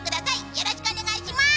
よろしくお願いします。